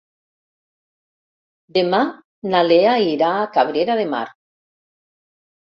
Demà na Lea irà a Cabrera de Mar.